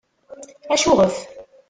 Acuɣef?